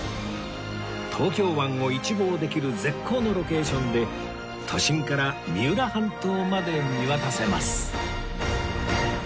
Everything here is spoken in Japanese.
東京湾を一望できる絶好のロケーションで都心から三浦半島まで見渡せます